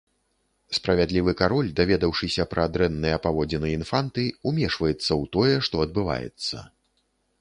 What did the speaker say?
Справядлівы кароль, даведаўшыся пра дрэнныя паводзіны інфанты, умешваецца ў тое, што адбываецца.